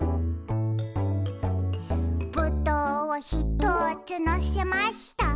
「ぶどうをひとつのせました」